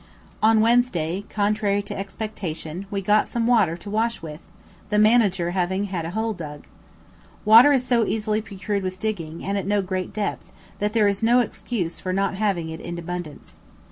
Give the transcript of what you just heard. On Wednesday, contrary to expectation, we got some water to wash with, the Manager having had a hole dug. Water is so easily procured with digging, and at no great depth, that there is no excuse for not having it in abundance.